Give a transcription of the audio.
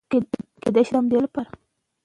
ایا ته د کوم شاعر دیوان لرې؟